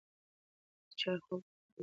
ډېر چای خوب ګډوډوي.